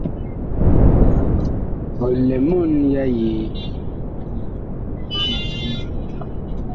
Ɔ lɛ mɔɔn ya yee ?